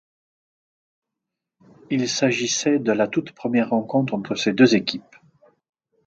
Il s'agissait de la toute première rencontre entre ces deux équipes.